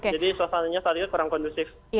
jadi suasananya saat itu kurang kondusif